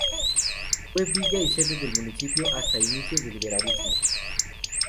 Fue villa y sede del municipio hasta inicios del liberalismo.